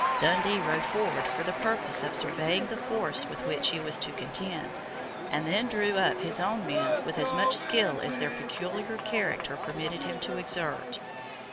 Dundee rode forward for the purpose of surveying the force with which he was to contend, and then drew up his own men with as much skill as their peculiar character permitted him to exert.